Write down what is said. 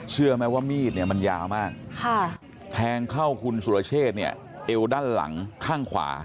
เชื่อไหมว่ามีดเนี่ยมันยาวมากแทงเข้าคุณสุรเชษเนี่ยเอวด้านหลังข้างขวา